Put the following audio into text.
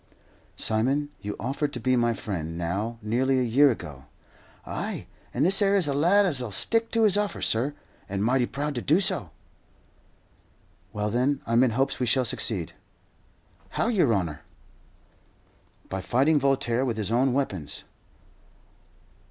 "Simon, you offered to be my friend, now nearly a year ago." "Ay, and this 'ere is a lad as'll stick to his offer, sur, and mighty proud to do so." "Well, then, I'm in hopes we shall succeed." "How, yer honour?" "By fighting Voltaire with his own weapons."